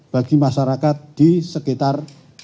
bagi masyarakat di sekitar